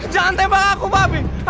jangan tembak aku bobby